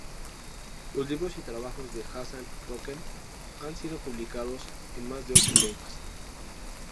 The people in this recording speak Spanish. Los libros y trabajos de Hasan-Rokem han sido publicados en más de ocho lenguas.